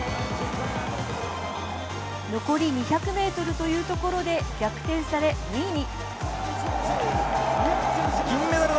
残り２００ｍというところで逆転され、２位に。